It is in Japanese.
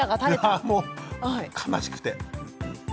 いやもう悲しくて。